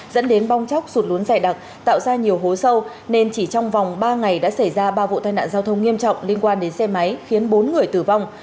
dẫn đến bong chóc sụt lún dày đặc tạo ra nhiều hố sâu nên chỉ trong vòng ba ngày đã xảy ra ba vụ tai nạn giao thông nghiêm trọng liên quan đến xe máy khiến bốn người tử vong